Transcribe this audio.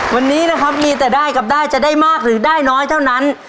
วันนี้นะครับมีแต่ได้กับได้จะได้มากหรือได้น้อยเท่านั้น